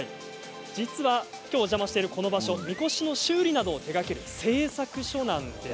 お邪魔しているこの場所みこしの修理などを手がける製作所なんです。